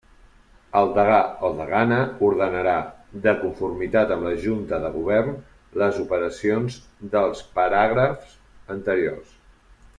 El degà o degana ordenarà, de conformitat amb la Junta de Govern, les operacions dels paràgrafs anteriors.